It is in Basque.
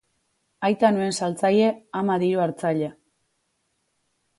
Aita nuen saltzaile, ama diru-hartzaile.